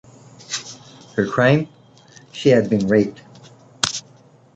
Her crime: she had been raped.